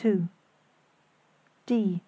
"D. .